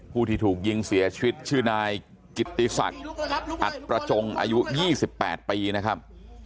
ผู้ที่ถูกยิงเสียชีวิตชื่อนายกิตติศักดิ์อัดประจงอายุ๒๘ปีนะครับ